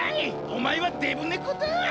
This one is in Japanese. お前はデブ猫だ！